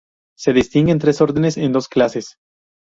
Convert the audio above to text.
Se distinguen tres órdenes en dos clases.